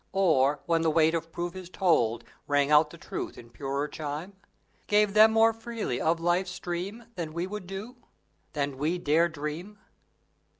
Or, when the weight of proof is told, Rang out the truth in purer chime? Gave they more freely of life's stream Than we would do? than we dare dream?